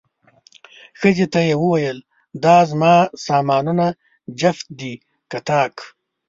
ښځې ته یې وویل، دا زما سامانونه جفت دي که طاق؟